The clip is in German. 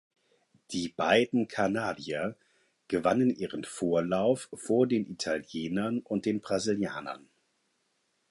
Die beiden Kanadier gewannen ihren Vorlauf vor den Italienern und den Brasilianern.